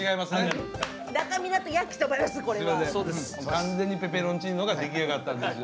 完全にペペロンチーノが出来上がったんですよ。